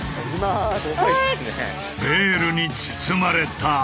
ベールに包まれた。